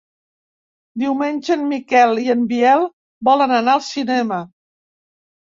Diumenge en Miquel i en Biel volen anar al cinema.